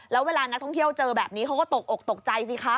แล้วเวลานักท่องเที่ยวเจอแบบนี้เขาก็ตกอกตกใจสิคะ